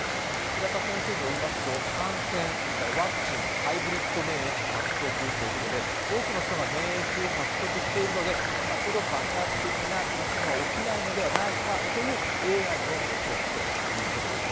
平田先生によりますと、感染、ワクチン、ハイブリッド免疫獲得ということで、多くの人が免疫を獲得しているので、さほど爆発的な感染は起きないのではないかというＡＩの予測ということです。